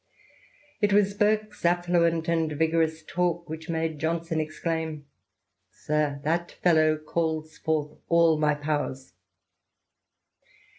It was Burke's affluent and vigorous talk which made Johnson exclaim, Sir, that fellow calls forth all my powers